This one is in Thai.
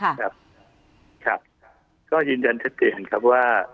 ครับก็ยืนยันเท็จเนียนครับว่า